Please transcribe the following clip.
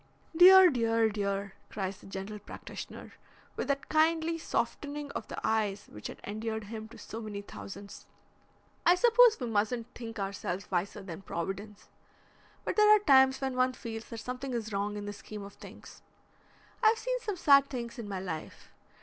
"Dear! dear! dear!" cries the general practitioner, with that kindly softening of the eyes which had endeared him to so many thousands. "I suppose we mustn't think ourselves wiser than Providence, but there are times when one feels that something is wrong in the scheme of things. I've seen some sad things in my life.